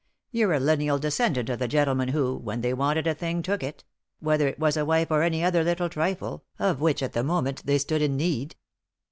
You're a lineal descendant of the gentlemen who, when they wanted a thing, took it; whether it was a wife or any other little trifle, of which at the moment they stood in need.